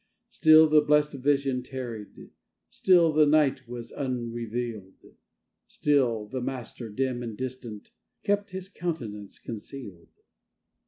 Still the blessed vision tarried; still the light was unrevealed; Still the Master, dim and distant, kept His countenance concealed.